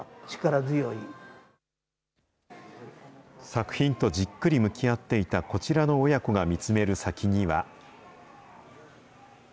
作品とじっくり向き合っていたこちらの親子が見つめる先には。